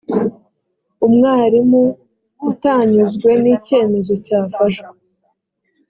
umwarimu utanyuzwe n icyemezo cyafashwe